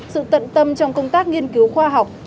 sự tận tâm trong công tác nghiên cứu khoa học